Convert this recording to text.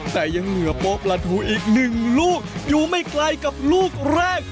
แต่เงื่อปลาทูอีกนึงลูกอีกอยู่ไม่ไกลกับลูกแรก